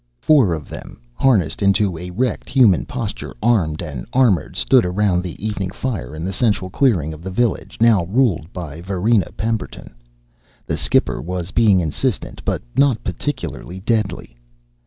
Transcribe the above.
Four of them, harnessed into erect human posture, armed and armored, stood around the evening fire in the central clearing of the village now ruled by Varina Pemberton. The skipper was being insistent, but not particularly deadly.